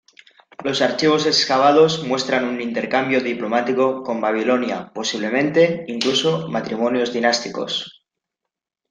Los archivos excavados muestran un intercambio diplomático con Babilonia, posiblemente, incluso matrimonios dinásticos.